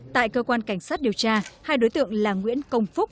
tại cơ quan cảnh sát điều tra hai đối tượng là nguyễn công phúc